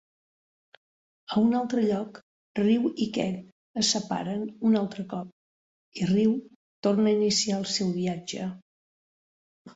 A un altre lloc, Ryu i Ken es separen un altre cop i Ryu torna a iniciar el seu viatge.